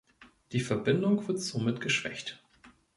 Die Verbindung wird somit geschwächt.